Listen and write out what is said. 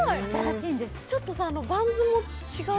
ちょっとバンズも違う。